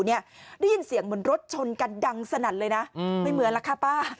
ได้ยินเสียงเหมือนรถชนกันดังสนั่นเลยนะไม่เหมือนล่ะค่ะป้า